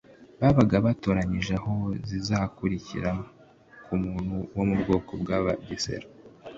Bababaga batoranyije aho zizakukira ku muntu wo mu bwoko bw'Abagesera,